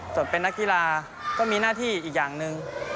ส่วนเป็นนักกีฬาก็มีหน้าที่อีกอย่างหนึ่ง